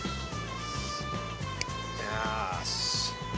よし。